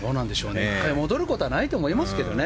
戻ることはないと思いますけどね。